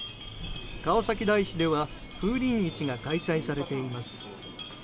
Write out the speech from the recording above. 川崎大師では風鈴市が開催されています。